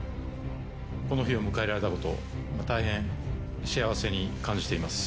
この日を迎えられたこと、大変幸せに感じています。